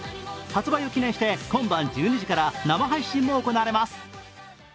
発売を記念して今晩１２時から生配信も行われます。